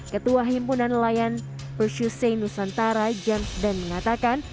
ketua himpunan nelayan persyusei nusantara jamsden mengatakan